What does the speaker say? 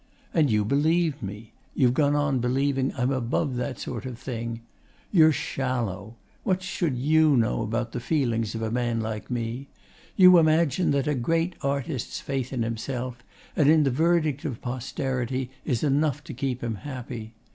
And you believed me. You've gone on believing I'm above that sort of thing. You're shallow. What should YOU know of the feelings of a man like me? You imagine that a great artist's faith in himself and in the verdict of posterity is enough to keep him happy....